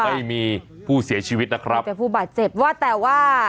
ไม่มีผู้เสียชีวิตนะครับมีแต่ผู้บาดเจ็บว่าแต่ว่า